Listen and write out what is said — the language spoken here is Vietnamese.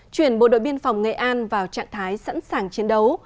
chuyển bộ đội biên phòng nghệ an vào trạng thái sẵn sàng chiến đấu